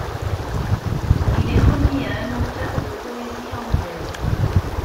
Il est remis à un auteur de poésie anglaise.